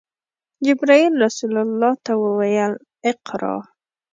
جبرئیل رسول الله ته وویل: “اقرأ!”